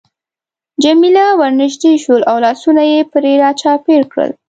جميله ورنژدې شول او لاسونه يې پرې را چاپېره کړل.